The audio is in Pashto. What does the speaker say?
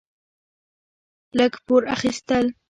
لږ پور اخيستل: